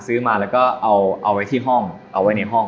เอาไว้ในห้อง